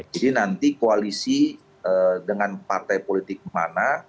jadi nanti koalisi dengan partai politik mana